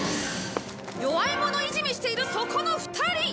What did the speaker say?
弱いものいじめしているそこの２人！